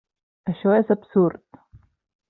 Això és absurd.